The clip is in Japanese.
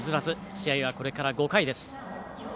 試合はこれから５回です。